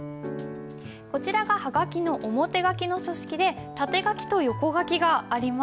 こちらがハガキの表書きの書式で縦書きと横書きがあります。